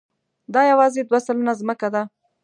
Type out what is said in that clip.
دا یواځې دوه سلنه ځمکه ده.